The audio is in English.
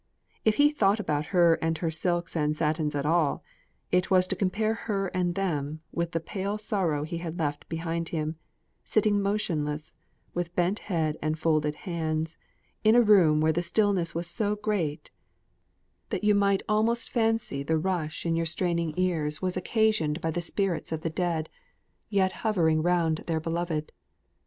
If he thought about her and her silks and satins at all, it was to compare her and them with the pale sorrow he had left behind him, sitting motionless, with bent head and folded hands, in a room where the stillness was so great that you might almost fancy the rush in your straining ears was occasioned by the spirits of the dead, yet hovering round their beloved.